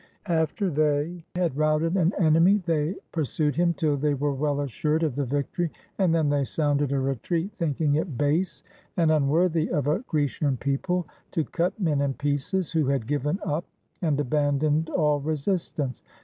After they had routed an enemy, they pur sued him till they were well assured of the victory, and then they sounded a retreat, thinking it base and un worthy of a Grecian people to cut men in pieces, who had given up and abandoned all resistance.